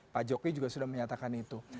pak jokowi juga sudah menyatakan itu